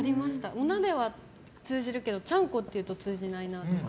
お鍋は通じるけどちゃんこっていうと通じないなって。